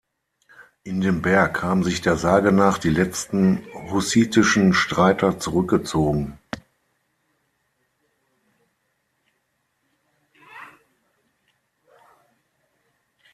In den Berg haben sich der Sage nach die letzten hussitischen Streiter zurückgezogen.